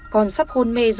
con sắp hôn mê rồi